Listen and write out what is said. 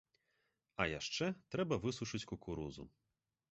А яшчэ трэба высушыць кукурузу.